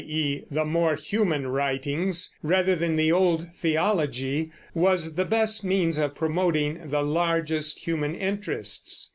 e. the "more human writings," rather than the old theology, was the best means of promoting the largest human interests.